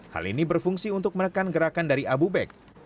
hal ini berfungsi untuk menekan gerakan dari abu bag